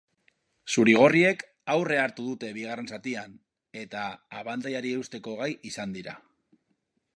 Zuri-gorriek aurrea hartu dute bigarren zatian eta abantailari eusteko gai izan dira.